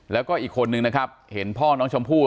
แล้วก็อีกคนนึงนะครับเห็นพ่อน้องชมพู่